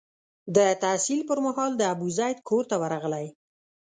د تحصیل پر مهال د ابوزید کور ته ورغلی.